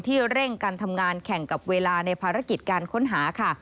เร่งการทำงานแข่งกับเวลาในภารกิจการค้นหาค่ะ